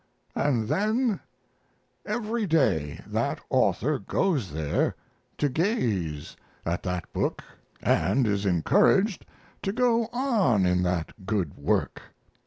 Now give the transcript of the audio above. ] And then every day that author goes there to gaze at that book, and is encouraged to go on in the good work.